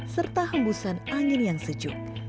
serta hembusan angin yang sejuk